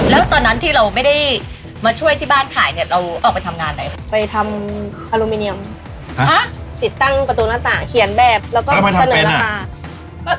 แล้วตอนนั้นที่เราไม่ได้มาช่วยที่บ้านถ่ายเงี้ยเราออกไปทำงานใด